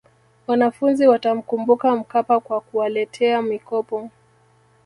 wanafunzi watamkumbuka mkapa kwa kuwaletea mikopo